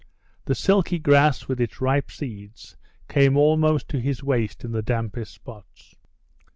The silky grass with its ripe seeds came almost to his waist in the dampest spots.